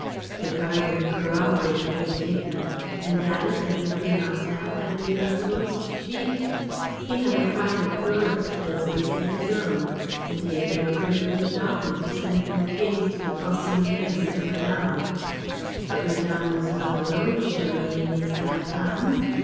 The gardener corroborated her statement, and added that her clientèle had been of the most chic. He had a private florist's business of his own and he had been privileged often to send bouquets to the pensionnaires of Madame. But Madame was not alone surely in these sad times.